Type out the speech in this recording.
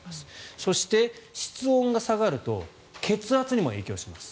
そして、室温が下がると血圧にも影響します。